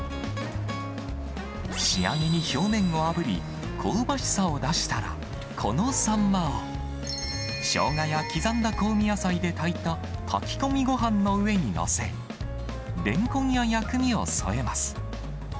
仕上げに表面をあぶり、香ばしさを出したら、このサンマを、ショウガや刻んだ香味野菜で炊いた、炊き込みごはんの上に載せ、レンコンや薬味を添えます。